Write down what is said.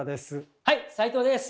はい斉藤です！